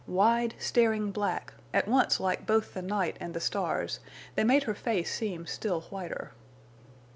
Wide, staring black, at once like both the night and the stars, they made her face seem still whiter.